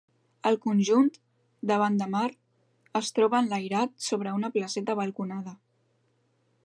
El conjunt, davant de mar, es troba enlairat sobre una placeta balconada.